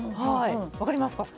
分かりますか？